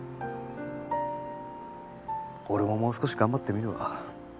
俺ももう少し頑張ってみるわ